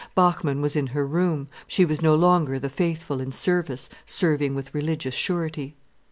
Bachmann was in her room, she was no longer the faithful in service serving with religious surety.